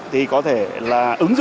thì có thể là ứng dụng